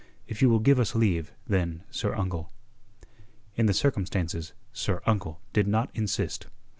If you will give us leave, then, sir uncle." In the circumstances "sir uncle" did not insist.